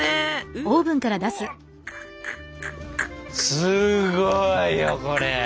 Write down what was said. すごいよこれ。